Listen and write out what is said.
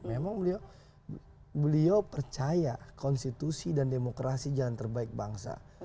memang beliau percaya konstitusi dan demokrasi jalan terbaik bangsa